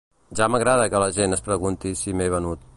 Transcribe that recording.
Ja m’agrada que la gent es pregunti si m’he venut.